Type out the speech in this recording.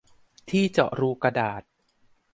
ที่เจาะรูกระดาษ